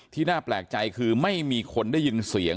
น่าแปลกใจคือไม่มีคนได้ยินเสียง